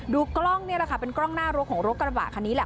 กล้องนี่แหละค่ะเป็นกล้องหน้ารถของรถกระบะคันนี้แหละ